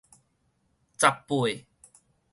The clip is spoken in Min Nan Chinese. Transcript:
十八